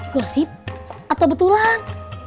gosip atau betulan